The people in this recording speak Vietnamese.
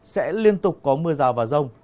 sẽ liên tục có mưa rào và rông